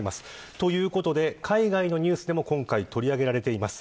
ということで海外のニュースでも今回、取り上げられています。